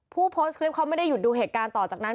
ผู้โพสต์คลิปเขาไม่ได้หยุดดูเหตุการณ์ต่อจากนั้น